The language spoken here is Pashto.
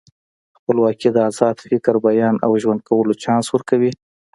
خپلواکي د ازاد فکر، بیان او ژوند کولو چانس ورکوي.